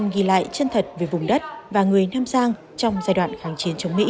ghi lại chân thật về vùng đất và người nam giang trong giai đoạn kháng chiến chống mỹ